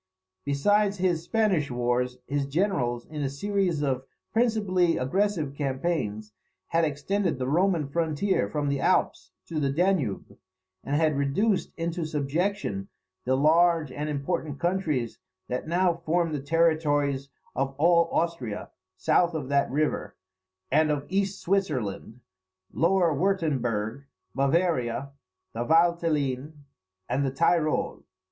Besides his Spanish wars, his generals, in a series of principally aggressive campaigns, had extended the Roman frontier from the Alps to the Danube; and had reduced into subjection the large and important countries that now form the territories of all Austria south of that river, and of East Switzerland, Lower Wirtemberg, Bavaria, the Valteline, and the Tyrol.